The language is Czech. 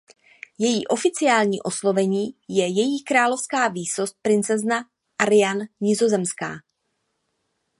Její oficiální oslovení je "Její královská výsost princezna Ariane Nizozemská".